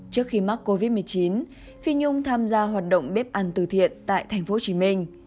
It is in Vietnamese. trước khi mắc covid một mươi chín phi nhung tham gia hoạt động bếp ăn từ thiện tại tp hcm